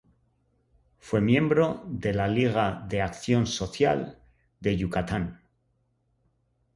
Fue miembro de la Liga de Acción Social de Yucatán.